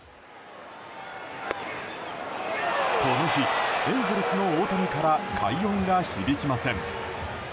この日、エンゼルスの大谷から快音が響きません。